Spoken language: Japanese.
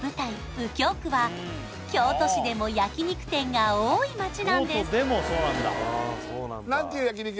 右京区は京都市でも焼肉店が多い町なんですあっ